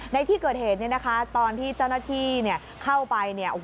ในที่เกิดเหตุเนี่ยนะคะตอนที่เจ้าหน้าที่เข้าไปเนี่ย